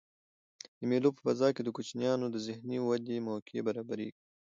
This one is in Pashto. د مېلو په فضا کښي د کوچنيانو د ذهني ودي موقع برابریږي.